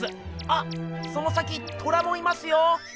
あその先トラもいますよ。